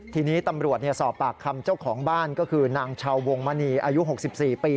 ทีนี้ตำรวจสอบปากคำเจ้าของบ้านก็คือนางชาววงมณีอายุ๖๔ปี